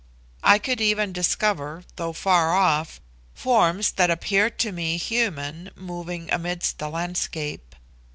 I could even discover, though far off, forms that appeared to me human moving amidst the landscape.